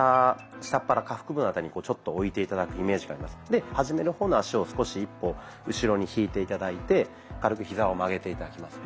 で初めの方の足を少し一歩後ろに引いて頂いて軽くヒザを曲げて頂きますね。